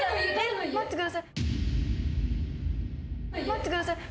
待ってください。